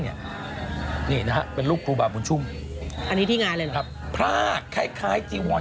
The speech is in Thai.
นี่นะฮะเป็นรูปครูบาบุญชุ่มอันนี้ที่งานเลยเหรอครับพรากคล้ายคล้ายจีวอน